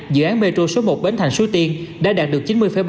dự án metro số một bến thành suối tiên đã đạt được chín mươi ba